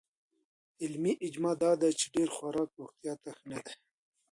علمي اجماع دا ده چې ډېر خوراک روغتیا ته ښه نه دی.